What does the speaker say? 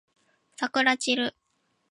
さくらちる